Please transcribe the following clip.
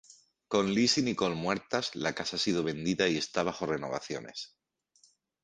Con Liz y Nicole muertas, la casa ha sido vendida y está bajo renovaciones.